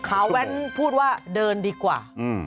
ขาแว้นพูดว่าเดินดีกว่า